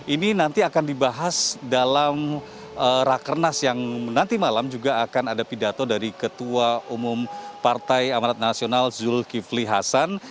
ini nanti akan dibahas dalam rakernas yang nanti malam juga akan ada pidato dari ketua umum partai amanat nasional zulkifli hasan